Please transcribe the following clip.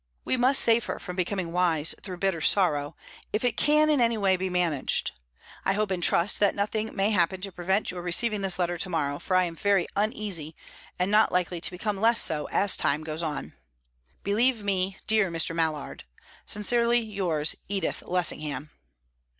We must save her from becoming wise through bitter sorrow, if it can in any way be managed. I hope and trust that nothing may happen to prevent your receiving this letter to morrow, for I am very uneasy, and not likely to become less so as time goes on. "Believe me, dear Mr. Mallard, "Sincerely yours, "EDITH LESSINGHAM."